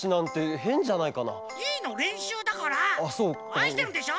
あいしてるんでしょ？